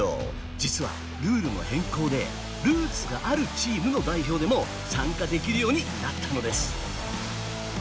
実は、ルールの変更でルーツがあるチームの代表でも参加できるようになったのです。